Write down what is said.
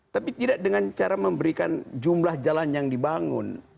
tapi tidak dengan cara memberikan jumlah jalan yang dibangun